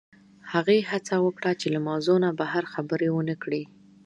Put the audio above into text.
هغې هڅه وکړه چې له موضوع نه بهر خبرې ونه کړي